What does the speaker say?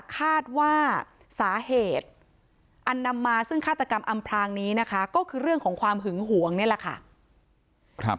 คาดว่าสาเหตุอันนำมาซึ่งฆาตกรรมอำพลางนี้นะคะก็คือเรื่องของความหึงหวงนี่แหละค่ะ